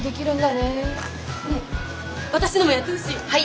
ねっ私のもやってほしい！